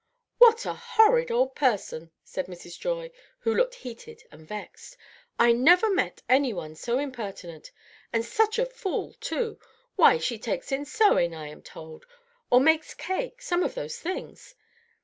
"What a horrid old person!" said Mrs. Joy, who looked heated and vexed. "I never met any one so impertinent. And such a fool, too! Why, she takes in sewing, I am told, or makes cake, some of those things.